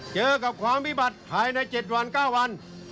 เจอกับความวิบัติภายใน๗วัน๙วัน